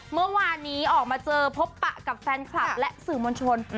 เมื่อวานนี้ออกมาเจอพบปะกับแฟนคลับและสื่อมวลชน